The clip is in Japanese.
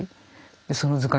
でその図鑑